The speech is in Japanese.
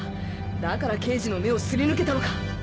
だから刑事の目をすり抜けたのか！